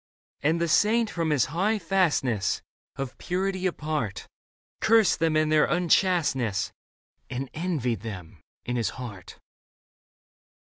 And the saint from his high fastness Of purity apart Cursed them and their unchasteness. And envied them in his heart.